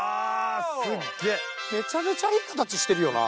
すっげめちゃめちゃいい形してるよな。